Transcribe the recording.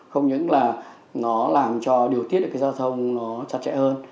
không những là nó làm cho điều tiết được cái giao thông nó chặt chẽ hơn